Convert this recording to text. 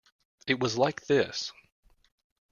It was like this.